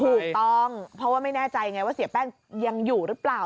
ถูกต้องเพราะว่าไม่แน่ใจไงว่าเสียแป้งยังอยู่หรือเปล่า